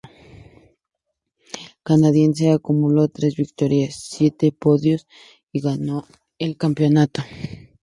El canadiense acumuló tres victorias, siete podios y ganó el campeonato.